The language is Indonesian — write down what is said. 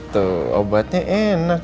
tuh obatnya enak